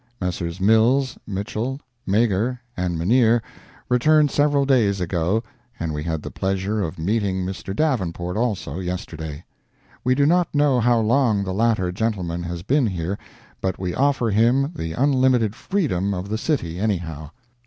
Messrs. Mills, Mitchell, Meagher and Minneer returned several days ago, and we had the pleasure of meeting Mr. Davenport, also, yesterday. We do not know how long the latter gentleman has been here, but we offer him the unlimited freedom of the city, any how.